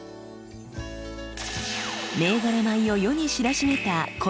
銘柄米を世に知らしめた「コシヒカリ」。